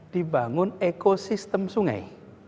dibangun ekosistem sungai